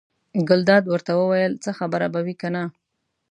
ګلداد ورته وویل: څه خبره به وي کنه.